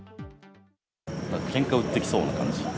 けんか売ってきそうな感じ。